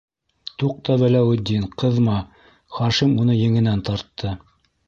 Туҡта, Вәләүетдин, ҡыҙма, - Хашим уны еңенән тартты.